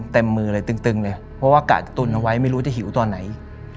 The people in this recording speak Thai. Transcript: เต็มมือเลยตึงเลยเพราะว่ากะจะตุนเอาไว้ไม่รู้จะหิวตอนไหน